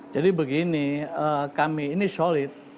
jadi begini kami ini solid